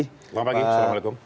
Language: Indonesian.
selamat pagi assalamualaikum